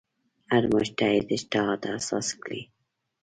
هر مجتهد اجتهاد اساس کړی.